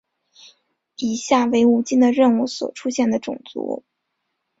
以下为无尽的任务所出现的种族。